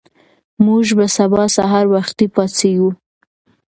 موږ به سبا سهار وختي پاڅېږو.